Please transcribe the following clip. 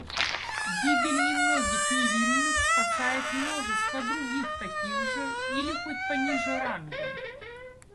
Гибель немногих невинных спасает множество других таких же или хоть пониже рангом.